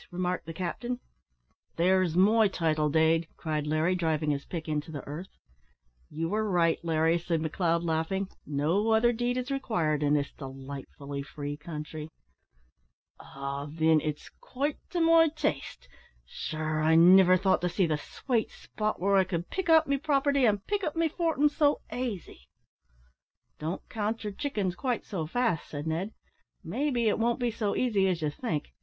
remarked the captain. "There's my title dade," cried Larry, driving his pick into the earth. "You are right, Larry," said McLeod, laughing, "no other deed is required in this delightfully free country." "Ah! thin, it's quite to my taste; sure I niver thought to see the swate spot where I could pick out me property an' pick up me fortin' so aisy." "Don't count your chickens quite so fast," said Ned, "may be it won't be so easy as you think.